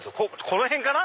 この辺かな？